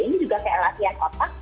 ini juga kayak latihan otak